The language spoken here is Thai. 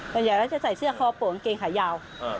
บรรยายแล้วจะใส่เสื้อคอปกกางเกงขายาว